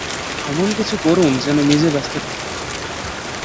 এমন-কিছু করুন যেন নিজে ব্যস্ত থাকেন।